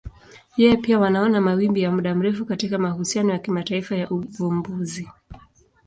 Yeye pia wanaona mawimbi ya muda mrefu katika mahusiano ya kimataifa ya uvumbuzi.